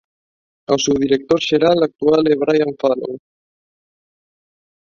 O seu director xeral actual é Brian Fallon.